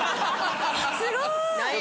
すごい！